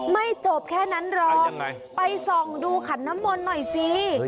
ไม่จบแค่นั้นรองไปส่องดูขันน้ำมนต์หน่อยสิ